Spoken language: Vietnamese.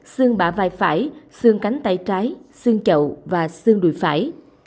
xương bả vai phải xương cánh tay trái xương chậu và xương đùi phải